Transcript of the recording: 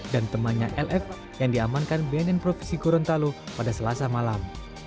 dan temannya lf yang diamankan badan narkotika profesi gorontalo pada selasa malam